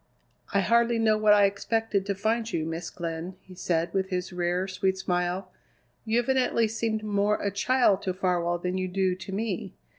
"I hardly know what I expected to find you, Miss Glenn," he said with his rare, sweet smile. "You evidently seemed more a child to Farwell than you do to me.